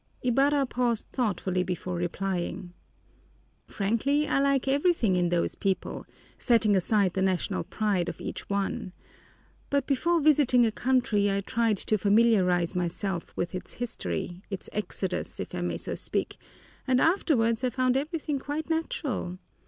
Ibarra paused thoughtfully before replying. "Frankly, I like everything in those people, setting aside the national pride of each one. But before visiting a country, I tried to familiarize myself with its history, its Exodus, if I may so speak, and afterwards I found everything quite natural.